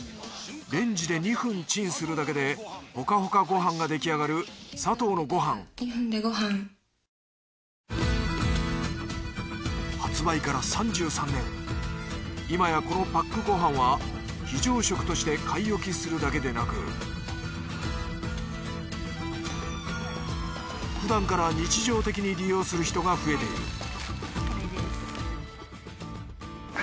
レンジで２分チンするだけでほかほかご飯が出来上がるサトウのごはん発売から３３年今やこのパックご飯は非常食として買い置きするだけでなくふだんから日常的に利用する人が増えている